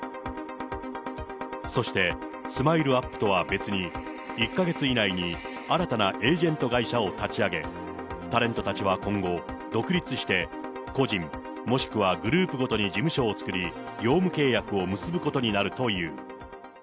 そして、ＳＭＩＬＥーＵＰ．とは別に、１か月以内に新たなエージェント会社を立ち上げ、タレントたちは今後、独立して個人、もしくはグループごとに事務所を作り、業務契約を結ぶことになるという。